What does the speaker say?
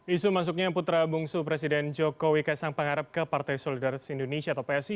isu masuknya putra bungsu presiden jokowi kaisang pangarep ke partai solidaritas indonesia atau psi